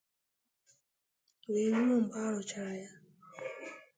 wee ruo mgbe a rụchara ya.